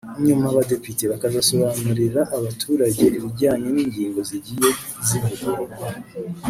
nyuma Abadepite bakazasobanurira abaturage ibijyanye n’ingingo zagiye zivugururwa